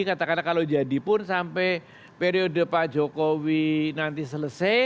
katakanlah kalau jadi pun sampai periode pak jokowi nanti selesai